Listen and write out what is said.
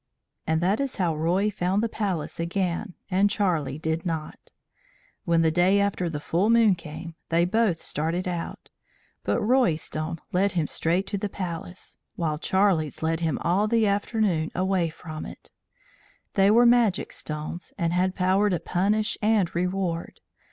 And that is how Roy found the Palace again and Charlie did not. When the day after the full moon came, they both started out, but Roy's stone led him straight to the Palace, while Charlie's led him all the afternoon away from it. They were magic stones, and had power to punish and reward.